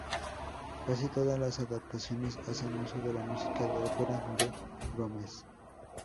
Casi todas las adaptaciones hacen uso de la música de ópera de Gomes.